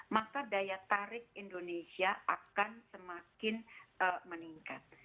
maka daya tarik indonesia akan semakin meningkat